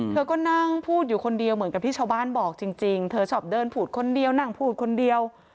เธอก็นั่งพูดอยู่คนเดียวเหมือนกับที่ชาวบ้านบอกจริงเธอชอบเดินพูดคนเดียวนั่งพูดคนเดียว